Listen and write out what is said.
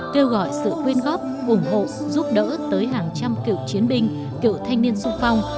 kêu gọi sự quyên góp ủng hộ giúp đỡ tới hàng trăm cựu chiến binh cựu thanh niên sung phong